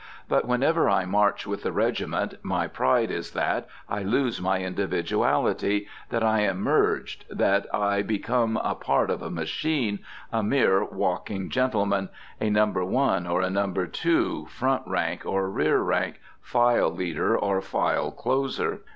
But whenever I march with the regiment, my pride is that I lose my individuality, that I am merged, that I become a part of a machine, a mere walking gentleman, a No. 1 or a No. 2, front rank or rear rank, file leader or file closer.